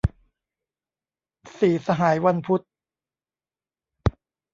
สี่สหายวันพุธ